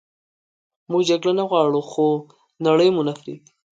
موږ جګړه نه غواړو خو نړئ مو نه پریږدي